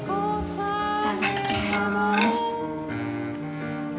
いただきます。